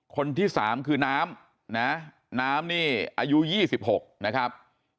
คนที่สามคือน้ำนะน้ำนี่อายุยี่สิบหกนะครับ